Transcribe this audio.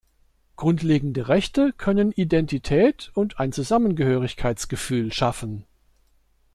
Grundlegende Rechte können Identität und ein Zusammengehörigkeitsgefühl schaffen.